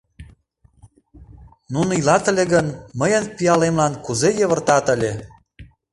Нуно илат ыле гын, мыйын пиалемлан кузе йывыртат ыле!